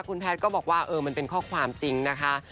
คุณแพทย์ก็บอกว่าเออมันเป็นข้อความจริงนะคะ